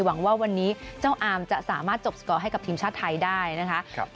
หวังว่าวันนี้เจ้าอามจะสามารถจบสกอร์ให้กับทีมชาติไทยได้นะคะ